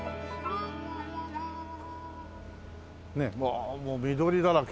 うわあもう緑だらけ。